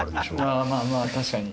ああまあまあ確かに。